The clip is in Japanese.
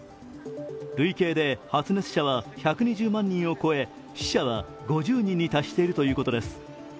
累計で発熱者は１２０万人を超え、死者は５０人に達しているということです。